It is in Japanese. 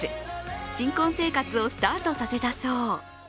新婚生活をスタートさせたそう。